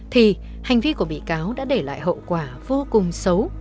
thì hành vi của bị cáo đã để lại hậu quả vô cùng xấu